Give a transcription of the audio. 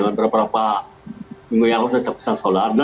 berapa berapa minggu yang lalu sudah pusat solar